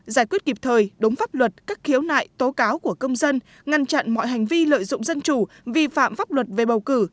giải quyết kịp thời đúng pháp luật các khiếu nại tố cáo của công dân ngăn chặn mọi hành vi lợi dụng dân chủ vi phạm pháp luật về bầu cử